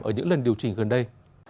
ở những lần điều chỉnh gần đây